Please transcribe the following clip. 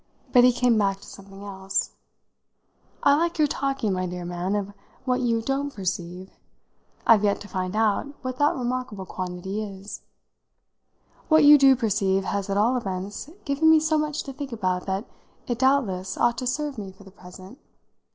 But he came back to something else. "I like your talking, my dear man, of what you 'don't perceive.' I've yet to find out what that remarkable quantity is. What you do perceive has at all events given me so much to think about that it doubtless ought to serve me for the present.